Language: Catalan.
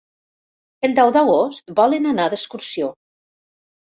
El deu d'agost volen anar d'excursió.